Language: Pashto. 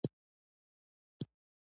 د محصل ژوند د نوښت او فکر زده کړه ده.